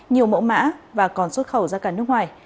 nhiều mẫu mã và còn xuất khẩu ra cả nước ngoài